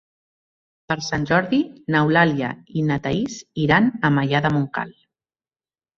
Per Sant Jordi n'Eulàlia i na Thaís iran a Maià de Montcal.